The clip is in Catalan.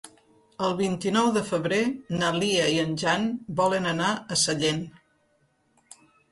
El vint-i-nou de febrer na Lia i en Jan volen anar a Sallent.